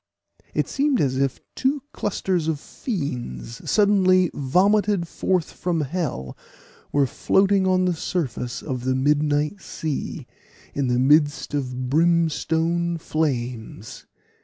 It seemed as if two clusters of fiends, suddenly vomited forth from hell, were floating on the surface of the midnight sea, in the midst of brimstone flames.